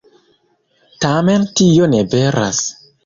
Tamen tio ne veras.